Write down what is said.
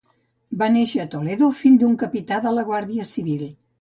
Va néixer a Toledo, fill d'un capità de la Guàrdia Civil.